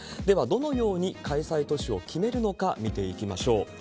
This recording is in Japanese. では、どのように開催都市を決めるのか見ていきましょう。